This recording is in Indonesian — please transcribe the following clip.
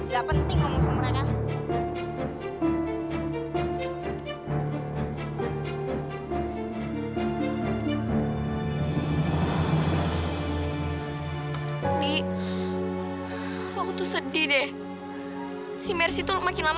ya kalau kamu gak terima ini